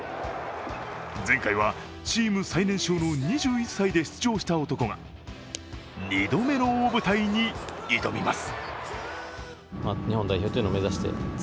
前回はチーム最年少の２１歳で出場した男が２度目の大舞台に挑みます。